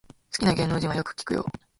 私の好きな芸能人はよく聞くよ